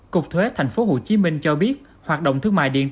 cục thuế tp hcm cho biết hoạt động thương mại điện tử